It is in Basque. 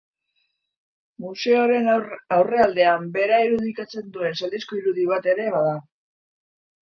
Museoaren aurrealdean, bera irudikatzen duen zaldizko irudi bat ere bada.